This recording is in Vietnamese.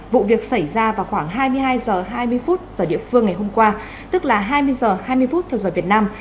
vụ việc xảy ra vào khoảng hai mươi hai h hai mươi giờ địa phương ngày hôm qua tức là hai mươi h hai mươi phút theo giờ việt nam